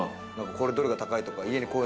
これ、どれが高いとか。